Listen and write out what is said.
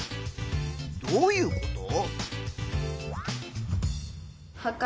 どういうこと？